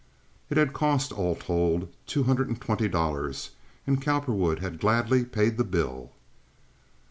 It had cost, all told, two hundred and twenty dollars, and Cowperwood had gladly paid the bill.